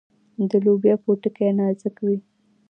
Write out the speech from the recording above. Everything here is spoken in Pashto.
د لوبیا پوټکی نازک وي.